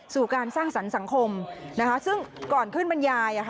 สู่การสร้างสรรค์สังคมซึ่งก่อนขึ้นบรรยาย